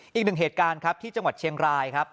อีกหนึ่งเหตุการณ์ครับที่จังหวัดเชียงรายครับ